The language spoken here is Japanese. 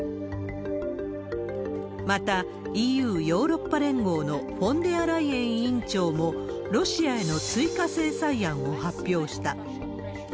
また、ＥＵ・ヨーロッパ連合のフォンデアライエン委員長も、ロシアへの追加制裁案を発表した。